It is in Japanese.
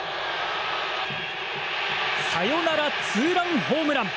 サヨナラツーランホームラン！